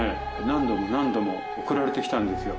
何度も何度も送られてきたんですよ。